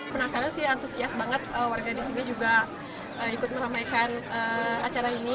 penasaran sih antusias banget warga di sini juga ikut meramaikan acara ini